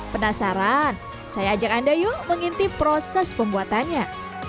penasaran saya ajak anda yuk mengintip proses pembuatannya